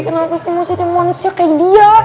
kenapa sih mau sedih sama manusia kayak dia